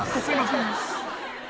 すいません。